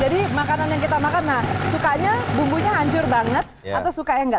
makanan yang kita makan nah sukanya bumbunya hancur banget atau suka yang enggak